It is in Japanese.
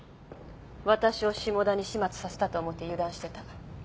私を霜田に始末させたと思って油断してた。